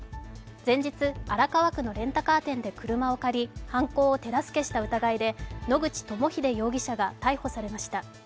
前日、荒川区のレンタカー店で車を借り、犯行を手助けした疑いで、野口朋秀容疑者が逮捕されました。